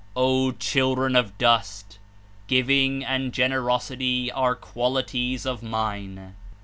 "O Children of Dust! Giving and Generosity are qualities of mine.